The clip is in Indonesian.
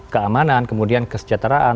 keamanan kemudian kesejahteraan